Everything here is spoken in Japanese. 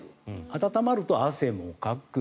温まると汗もかく。